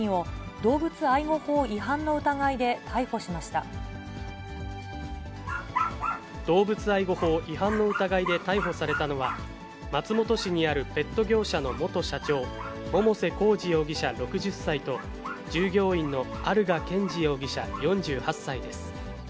動物愛護法違反の疑いで逮捕されたのは、松本市にあるペット業者の元社長、百瀬耕二容疑者６０歳と従業員の有賀健児容疑者４８歳です。